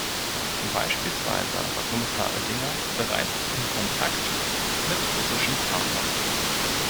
Beispielsweise war Kommissar Oettinger bereits in Kontakt mit russischen Partnern.